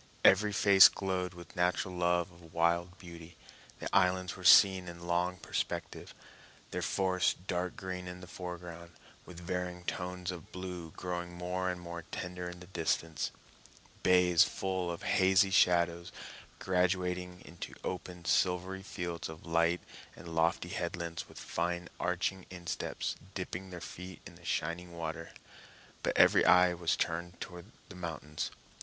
Every face glowed with natural love of wild beauty. The islands were seen in long perspective, their forests dark green in the foreground, with varying tones of blue growing more and more tender in the distance; bays full of hazy shadows, graduating into open, silvery fields of light, and lofty headlands with fine arching insteps dipping their feet in the shining water. But every eye was turned to the mountains.